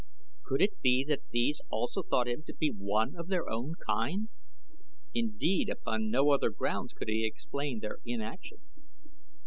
Could it be that these also thought him one of their own kind? Indeed upon no other grounds could he explain their inaction.